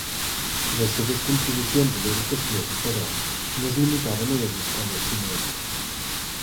Les seves contribucions a l'educació, però, no es limitaven a les escoles xineses.